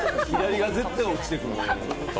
絶対落ちてくる。